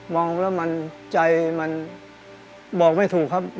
องแล้วมันใจมันบอกไม่ถูกครับ